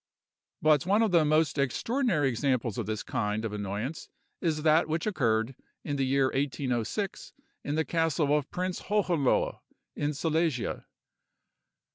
But one of the most extraordinary examples of this kind of annoyance is that which occurred, in the year 1806, in the castle of Prince Hohenlohe, in Silesia.